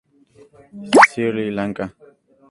Sri lanka